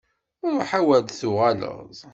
Ruḥ, awer d-tuɣaleḍ!